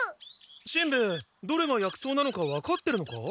しんべヱどれが薬草なのか分かってるのか？